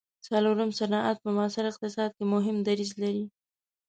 څلورم صنعت په معاصر اقتصاد کې مهم دریځ لري.